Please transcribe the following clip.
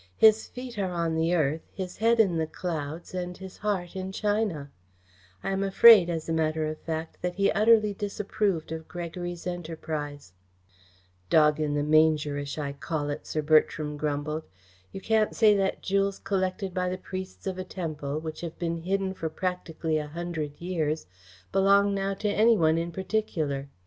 "His feet are on the earth, his head in the clouds and his heart in China. I am afraid, as a matter of fact, that he utterly disapproved of Gregory's enterprise." "Dog in the mangerish, I call it," Sir Bertram grumbled. "You can't say that jewels collected by the priests of a temple, which have been hidden for practically a hundred years, belong now to any one in particular.